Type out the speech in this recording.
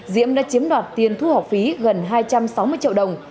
diễm đã chiếm đoạt tiền thu học phí gần hai trăm sáu mươi triệu đồng